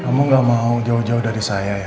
kamu gak mau jauh jauh dari saya ya